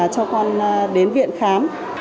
cho con đến viện khám